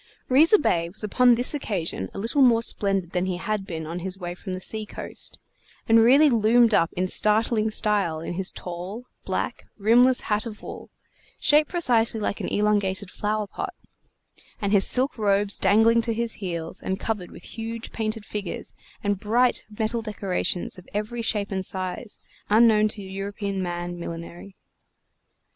Riza Bey was upon this occasion a little more splendid than he had been on his way from the sea coast, and really loomed up in startling style in his tall, black, rimless hat of wool, shaped precisely like an elongated flower pot, and his silk robes dangling to his heels and covered with huge painted figures and bright metal decorations of every shape and size unknown, to European man millinery.